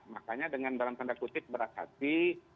makanya dengan dalam tanda kutip berat hati